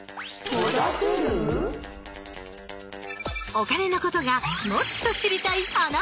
お金のことがもっと知りたいあなた！